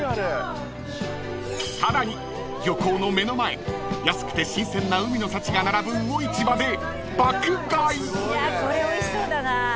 ［さらに漁港の目の前安くて新鮮な海の幸が並ぶ魚市場で爆買い］